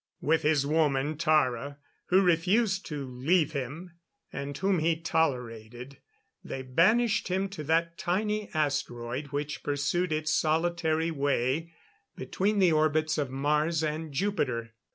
With his woman Tara, who refused to leave him and whom he tolerated, they banished him to that tiny asteroid which pursued its solitary way between the orbits of Mars and Jupiter.